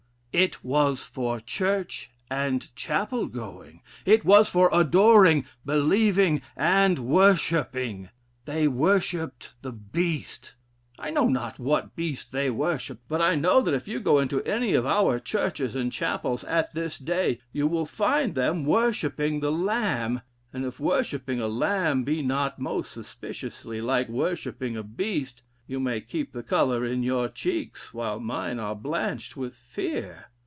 It was for church and chapel going; it was for adoring, believing, and worshipping. They worshipped the beast: I know not what beast they worshipped; but I know that if you go into any of our churches and chapels at this day, you will find them worshipping the Lamb; and if worshipping a lamb be not most suspiciously like worshiping a beast, you may keep the color in your cheeks, while mine are blanched with fear.